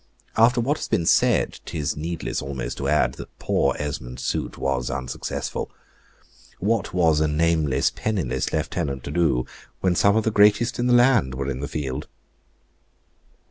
After what has been said, 'tis needless almost to add that poor Esmond's suit was unsuccessful. What was a nameless, penniless lieutenant to do, when some of the greatest in the land were in the field?